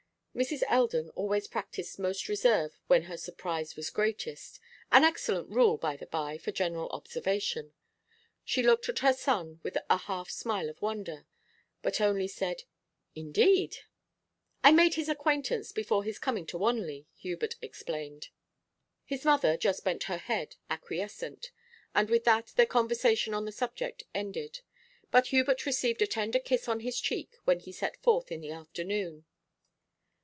Mrs. Eldon always practised most reserve when her surprise was greatest an excellent rule, by the by, for general observation. She looked at her son with a half smile of wonder, but only said 'Indeed?' 'I had made his acquaintance before his coming to Wanley,' Hubert explained. His mother just bent her head, acquiescent. And with that their conversation on the subject ended. But Hubert received a tender kiss on his cheek when he set forth in the afternoon.